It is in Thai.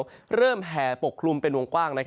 แล้วแหน่งแห่ปกครุมเป็นวงกว้าง